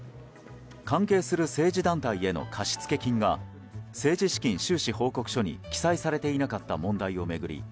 関係する政治団体への貸付金が政治資金収支報告書に記載されていなかった問題を巡り